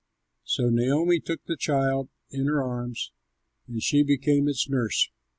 So Naomi took the child in her arms and she became its nurse.